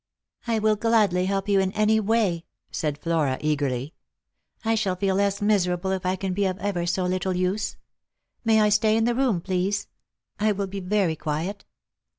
" I will gladly help you in any way," said Flora eagerly. " I shall feel less miserable if I can be of ever so little use. May I stay in the room, please ?— I will be very quiet."